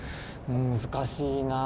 難しいなぁ。